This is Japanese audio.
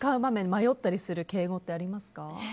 迷ったりする敬語ってありますか？